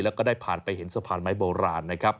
แล้วก็ได้ผ่านไปเห็นสะพานไม้โบราณนะครับ